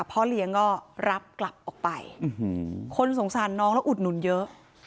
พ่อเลี้ยงก็รับกลับออกไปคนสงสารน้องแล้วอุดหนุนเยอะ